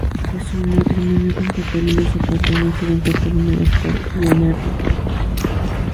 De su matrimonio con Catalina Zapata nacieron Catalina Gaspar y Ana Hernández.